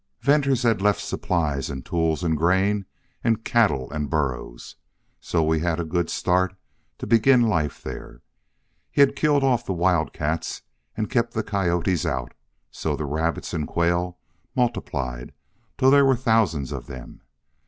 "Venters had left supplies and tools and grain and cattle and burros, so we had a good start to begin life there. He had killed off the wildcats and kept the coyotes out, so the rabbits and quail multiplied till there were thousands of them.